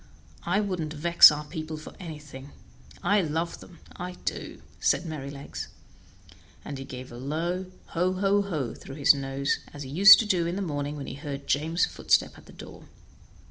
I wouldn't vex our people for anything; I love them, I do," said Merrylegs, and he gave a low "ho, ho, ho!" through his nose, as he used to do in the morning when he heard James' footstep at the door.